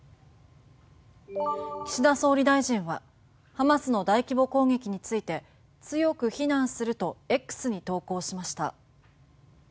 岸田総理大臣はハマスの大規模攻撃について強く非難するとＸに投稿しました。